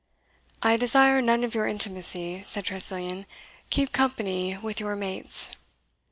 "I desire none of your intimacy," said Tressilian "keep company with your mates."